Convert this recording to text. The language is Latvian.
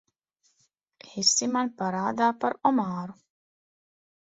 Esi man parādā par omāru.